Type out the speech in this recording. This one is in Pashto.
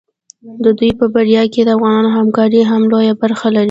د دوی په بریا کې د افغانانو همکاري هم لویه برخه لري.